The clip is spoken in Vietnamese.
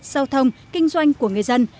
giao thông kinh doanh của người dân